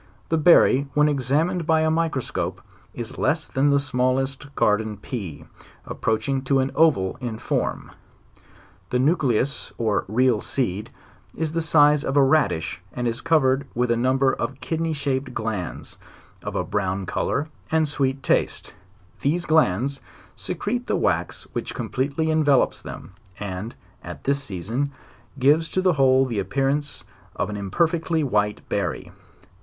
The berry when examined by a microscope, is less than the smallest garden pea, approaching to an oval in form. The nucleus, or real seed, is the size of a radish and is covered with a number of kidney shaped glands, of a brown color and sweet taste; these glands secrete the wax which completely envel ops them, and, at this season, gives to the whole the appear ance of an imperfectly white berry.